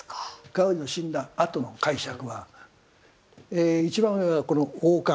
ガウディの死んだあとの解釈は一番上はこの王冠。